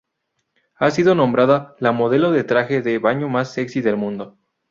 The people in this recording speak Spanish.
Ha sido nombrada la modelo de traje de baño más sexy del mundo.